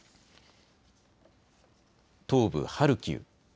東部ハルキウ。